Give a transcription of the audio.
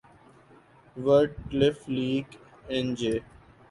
would cliff Lake اینجے